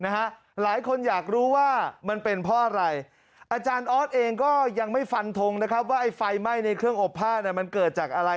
หลายคนอยากรู้ว่ามันเป็นเพราะอะไรออเองยังไม่ฝันทงว่าไฟไหม้ในเครื่องอบผ้าเกิดจากอะไร